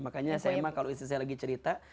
makanya memang kalau istri saya lagi cerita